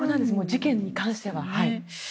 事件に関しては。